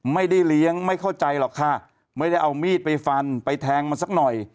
ไม่ได้เลี้ยงไม่เข้าใจหรอกค่ะไม่ได้เอามีดไปฟันไปแทงมันสักหน่อย